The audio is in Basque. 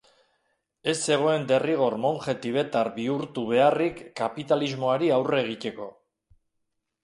Ez zegoen derrigor monje tibetar bihurtu beharrik kapitalismoari aurre egiteko.